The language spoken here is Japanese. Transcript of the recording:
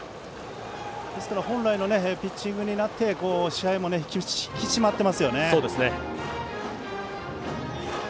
本来のピッチングになって試合も引き締まっていますね。